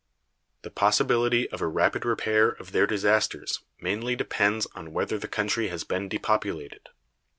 The possibility of a rapid repair of their disasters mainly depends on whether the country has been depopulated.